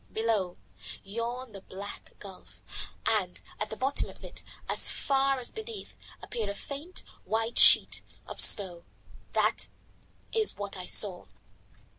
Below yawned the black gulf, and at the bottom of it, far, far beneath, appeared a faint, white sheet of snow. That is what I saw.